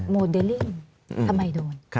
โมเดลลิ่งทำไมโดน